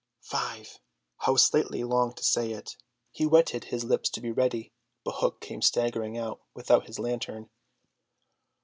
"Five." How Slightly longed to say it. He wetted his lips to be ready, but Hook came staggering out, without his lantern.